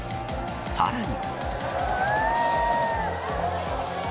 さらに。